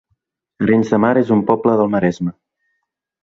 Arenys de Mar es un poble del Maresme